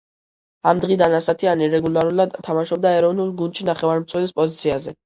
ამ დღიდან ასათიანი რეგულარულად თამაშობდა ეროვნულ გუნდში, ნახევარმცველის პოზიციაზე.